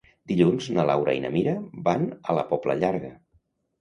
Dilluns na Laura i na Mira van a la Pobla Llarga.